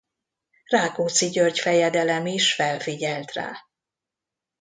Rákóczi György fejedelem is felfigyelt rá.